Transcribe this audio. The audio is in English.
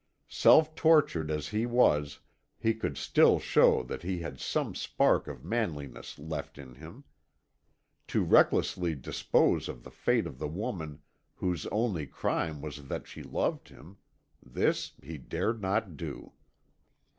Self tortured as he was he could still show that he had some spark of manliness left in him. To recklessly dispose of the fate of the woman whose only crime was that she loved him this he dared not do.